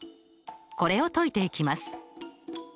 これを解いていきます。